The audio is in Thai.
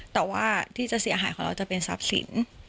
แต่ว่าที่จะเสียหายของเราจะเป็นทรัพย์สิน